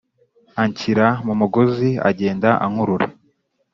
anshyira mu mugozi agenda ankurura.